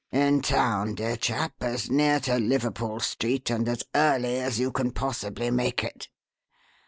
"In town, dear chap, as near to Liverpool Street and as early as you can possibly make it."